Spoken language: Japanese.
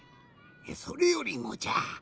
それよりもじゃ。